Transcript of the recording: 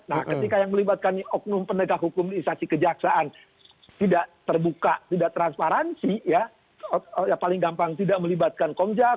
nah ketika yang melibatkan oknum penegak hukum disaksi kejaksaan tidak terbuka tidak transparansi ya paling gampang tidak melibatkan komjak